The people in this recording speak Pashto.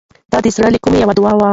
دا د زړه له کومې یوه دعا وه.